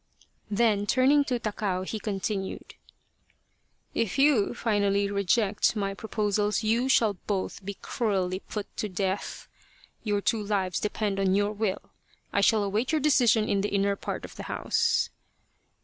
Then turning to Takao he continued :" If you finally reject my proposals you shall both be cruelly put to death. Your two lives depend upon your will. I shall await your decision in the inner part of the house."